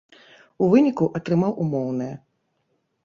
У выніку атрымаў умоўнае.